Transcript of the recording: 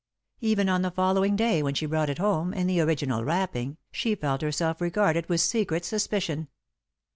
Even on the following day, when she brought it home, in the original wrapping, she felt herself regarded with secret suspicion.